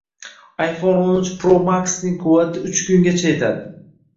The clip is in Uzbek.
iPhoneo´n uchPro Max’ning quvvati uch kungacha yetadi